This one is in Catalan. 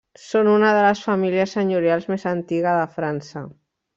Són una de les famílies senyorials més antiga de França.